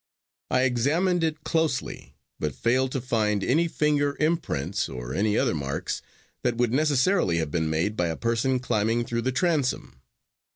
I examined it closely but failed to find any finger imprints, or any other marks that would necessarily have been made by a person climbing through the transom.